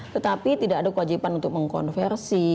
tetapi tidak ada kewajiban untuk mengkonversi